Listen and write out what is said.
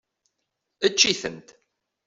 Ečč-iten!